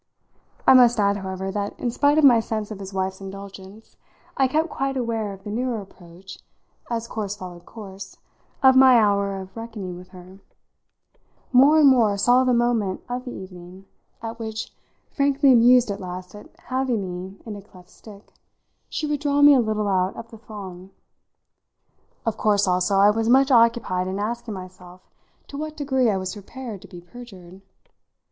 I must add, however, that in spite of my sense of his wife's indulgence I kept quite aware of the nearer approach, as course followed course, of my hour of reckoning with her more and more saw the moment of the evening at which, frankly amused at last at having me in a cleft stick, she would draw me a little out of the throng. Of course, also, I was much occupied in asking myself to what degree I was prepared to be perjured.